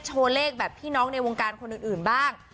โชว์เลขแบบพี่น้องในวงการคนอื่นบ้าง